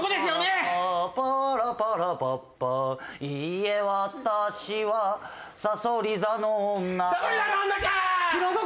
「いいえ私はさそり座の女」